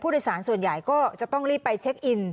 โดยสารส่วนใหญ่ก็จะต้องรีบไปเช็คอิน